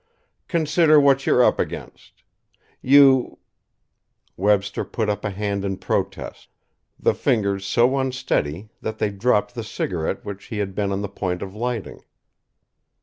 Consider what you're up against. You " Webster put up a hand in protest, the fingers so unsteady that they dropped the cigarette which he had been on the point of lighting.